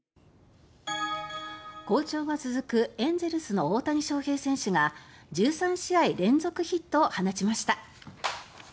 好調が続くエンゼルスの大谷翔平選手が１３試合連続ヒットを放ちました。